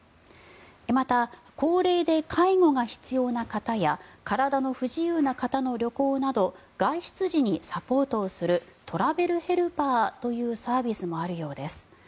また、高齢で介護が必要な方や体の不自由な方の旅行など外出時にサポートをするトラベルヘルパーというサービスもあるようです。